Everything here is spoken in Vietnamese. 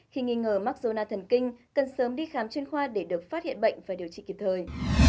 khi nghi ngờ mắc zona thần kinh cần sớm đi khám chuyên khoa để được phát hiện bệnh và điều trị kịp thời